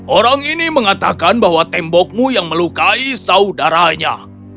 orang ini mengatakan bahwa tembokmu yang melukai saudaranya